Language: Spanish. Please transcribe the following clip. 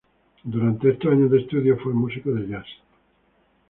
Durante estos años de estudio fue músico de jazz.